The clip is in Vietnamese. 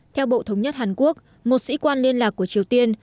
theo bộ thống nhất hàn quốc một sĩ quan liên lạc của triều tiên